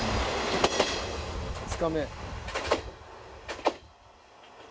２日目。